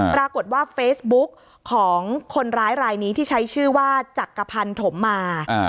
ปรากฏว่าเฟซบุ๊กของคนร้ายรายนี้ที่ใช้ชื่อว่าจักรพันธมมา